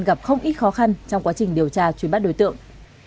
gặp không ít khó khăn trong quá trình điều tra truy bắt đối tượng